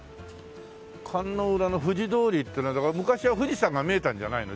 観音裏の富士通りってのはだから昔は富士山が見えたんじゃないの。